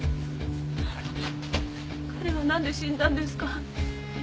彼はなんで死んだんですか？